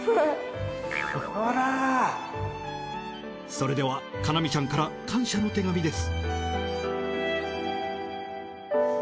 それでは叶望ちゃんから感謝の手紙です。